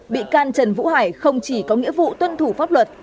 bị can trần vũ hải không chỉ có nghĩa vụ tuân thủ pháp luật